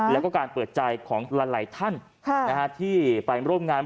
แล้วก็การเปิดใจของหลายท่านที่ไปร่วมงาน